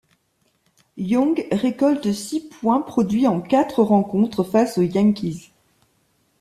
Young récolte six points produits en quatre rencontres face aux Yankees.